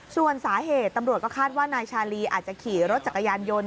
ส่วนสาเหตุตำรวจก็คาดว่านายชาลีอาจจะขี่รถจักรยานยนต์